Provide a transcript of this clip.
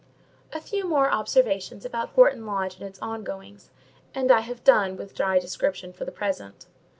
A few more observations about Horton Lodge and its ongoings, and I have done with dry description for the present.